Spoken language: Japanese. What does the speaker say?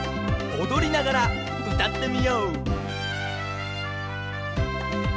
おどりながらうたってみよう！